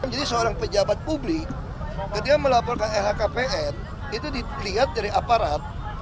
jadi seorang pejabat publik ketika melaporkan lhkpn itu dilihat dari aparat